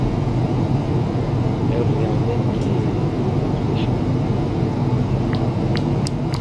Eu realmente non lle vexo nada malo.